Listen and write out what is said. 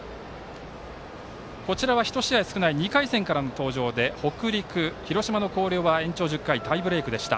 １試合少ない２回戦からの登場で登場で北陸、広島の広陵高校は延長１０回タイブレークでした。